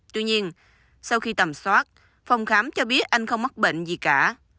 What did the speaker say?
tuy nhiên sau khi tầm soát phòng khám cho biết anh không mắc bệnh gì cả